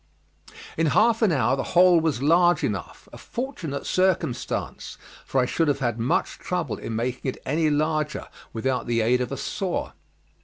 In half an hour the hole was large enough a fortunate circumstance, for I should have had much trouble in making it any larger without the aid of a saw.